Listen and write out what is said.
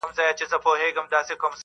له ربابي سره شهباز ژړله٫